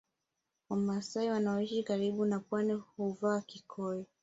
Wamasai wanaoishi karibu na Pwani huvaa kikoi